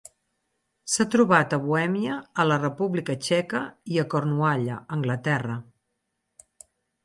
S'ha trobat a Bohèmia a la República Txeca i a Cornualla, Anglaterra.